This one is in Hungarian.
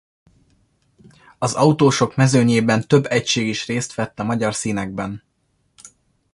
Az autósok mezőnyében több egység is részt vett a magyar színekben.